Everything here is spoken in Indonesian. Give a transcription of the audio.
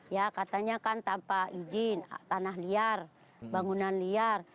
ya katanya kan tanpa izin tanah liar bangunan liar